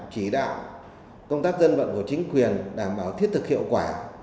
chỉ đạo công tác dân vận của chính quyền đảm bảo thiết thực hiệu quả